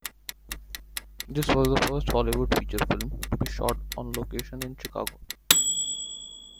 This was the first Hollywood feature film to be shot on location in Chicago.